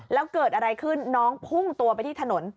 แล้วเกิดอะไรขึ้นน้องพุ่งตัวไปที่ถนน